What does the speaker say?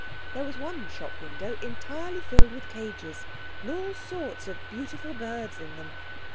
There was one shop window entirely filled with cages, and all sorts of beautiful birds in them.